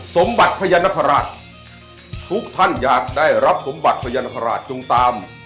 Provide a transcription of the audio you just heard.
สมบัติพญานคราชทุกท่านอยากได้รับสมบัติพญานคราชจงตาม